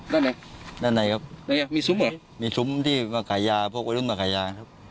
ด้านไหนด้านในครับไหนอ่ะมีซุ้มเหรอมีซุ้มที่มาขายยาพวกกลุ่มมาขายยาครับ